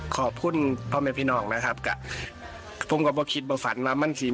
ขอบคุณพ่อแม่พี่น้องนะครับกะผมกับพ่อคิดบอกฝันว่ามันคือ